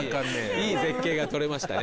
いい絶景が撮れましたね